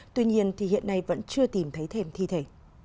tuy nhiên hiện nay vẫn chưa tìm thấy thêm thi thể